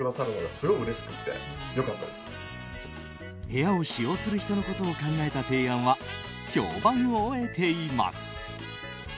部屋を使用する人のことを考えた提案は評判を得ています。